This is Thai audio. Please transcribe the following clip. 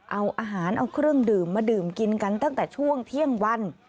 เอาอาหารเอาเครื่องดื่มมาดื่มกินกันตั้งแต่ช่วงเที่ยงวัน